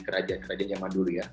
kerajaan kerajaan yang maduri ya